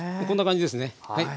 こんな感じですね。